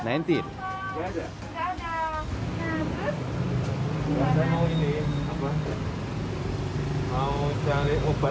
saya mau cari obat antivirus yang oseltamibir